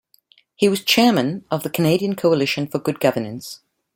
He was Chairman of the Canadian Coalition for Good Governance.